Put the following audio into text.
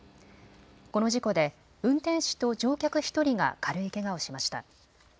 この事故で運転士と乗客１人が軽いけがをしました。